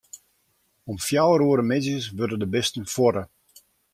Om fjouwer oere middeis wurde de bisten fuorre.